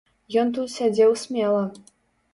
Ён тут сядзеў смела.